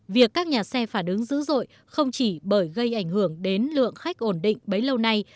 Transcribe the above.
việc các nhà xe phản ứng dữ dội không chỉ bởi gây ảnh hưởng đến lượng khách ổn định bấy lâu nay